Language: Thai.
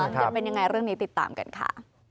จะเป็นอย่างไรเรื่องนี้ติดตามกันค่ะ